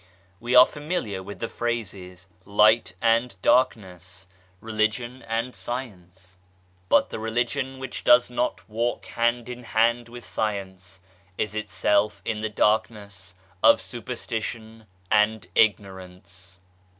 We are familiar with the phrases " Light and Dark ness/' " Religion and Science." But the Religion which 134 RELIGION AND SCIENCE does not walk hand in hand with Science is itself in the Darkness of Superstition and Ignorance.